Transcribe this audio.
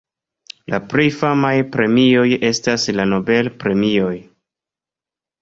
La plej famaj premioj estas la Nobel-premioj.